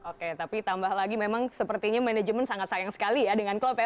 oke tapi tambah lagi memang sepertinya manajemen sangat sayang sekali ya dengan klub ya